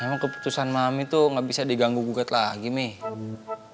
mie emang keputusan mami tuh nggak bisa diganggu guget lagi mie